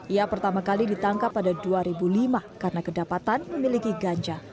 ia pertama kali ditangkap pada dua ribu lima karena kedapatan memiliki ganja